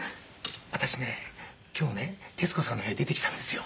「私ね今日ね徹子さんの部屋に出てきたんですよ」